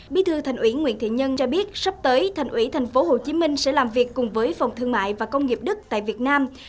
bí thư thành ủy nguyễn thị nhân cho biết sắp tới thành ủy thành phố hồ chí minh sẽ làm việc cùng với phòng thương mại và công nghiệp đức tại việt nam